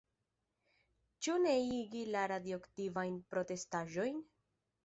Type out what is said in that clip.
Ĉu neniigi la radioaktivajn postrestaĵojn?